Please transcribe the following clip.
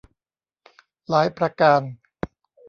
หลายประการ